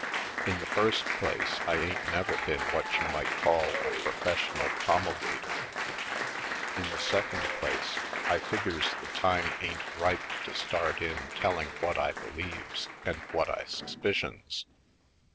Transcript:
In the first place, I ain't never been what you might call a professional promulgator. In the second place, I figures the time ain't ripe to start in telling what I believes and what I sus picions.